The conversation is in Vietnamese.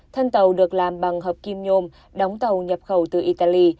thân tàu được làm bằng hợp kim nhôm đóng tàu nhập khẩu từ italy